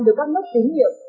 được các nước tính nhiệm